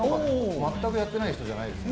全くやってない人ではないですね。